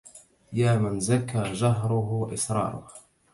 يا من زكا جهره وإسراره